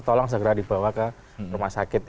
tolong segera dibawa ke rumah sakit